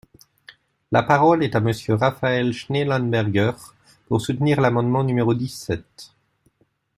La parole est à Monsieur Raphaël Schellenberger, pour soutenir l’amendement numéro dix-sept.